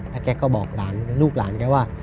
แล้วแกก็บอกหลานลูกหลานแกว่า